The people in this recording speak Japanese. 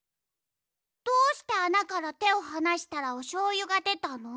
どうしてあなからてをはなしたらおしょうゆがでたの？